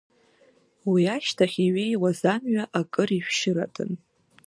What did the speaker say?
Уи ашьҭахь иҩеиуаз амҩа акыр ишәшьырадан.